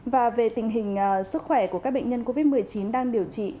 và về tình hình sức khỏe của các bệnh nhân covid một mươi chín đang điều trị